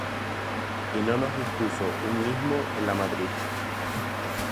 ¿Y no nos dispuso uno mismo en la matriz?